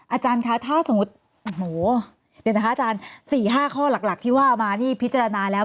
อาจารย์คะถ้าสมมติ๔๕ข้อหลักที่ว่าเอามาพิจารณาแล้ว